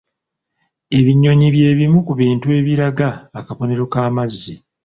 Ebinyonyi bye bimu ku bintu ebiraga akabonero ka mazzi.